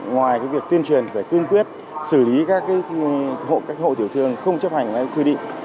ngoài việc tuyên truyền về cương quyết xử lý các hộ tiểu thương không chấp hành quy định